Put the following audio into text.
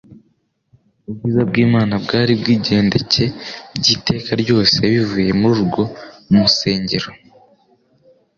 ubwiza bw'Imana bwari bwigendcye by'iteka ryose bivuye muri urwo msengero